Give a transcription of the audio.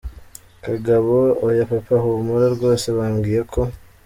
Kagabo: oya papa! Humura rwose bambwiye ko.